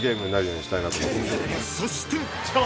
［そして］